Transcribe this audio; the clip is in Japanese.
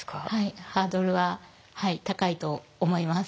ハードルははい高いと思います。